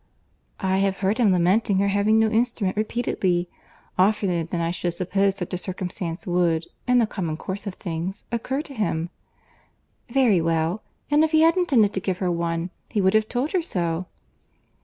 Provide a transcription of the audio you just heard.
"I have heard him lamenting her having no instrument repeatedly; oftener than I should suppose such a circumstance would, in the common course of things, occur to him." "Very well; and if he had intended to give her one, he would have told her so."